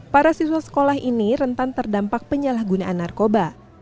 para siswa sekolah ini rentan terdampak penyalahgunaan narkoba